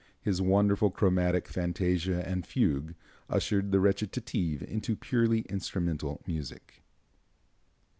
His wonderful "Chromatic Fantasia and Fugue" ushered the recitative into purely instrumental music.